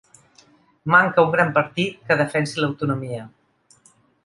Manca un gran partit que defensi l'autonomia.